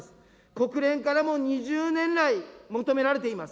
国連からも２０年来、求められています。